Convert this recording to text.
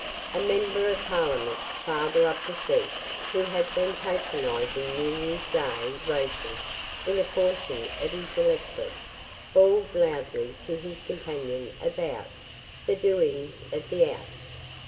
A member of Parliament, farther up the seat, who had been patronizing New Year's Day races in a portion of his electorate, bawled loudly to his companion about "the doin's of the 'Ouse".